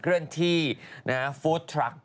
สนับสนุนโดยดีที่สุดคือการให้ไม่สิ้นสุด